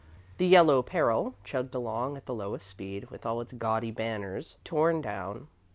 "The Yellow Peril" chugged along at the lowest speed with all its gaudy banners torn down.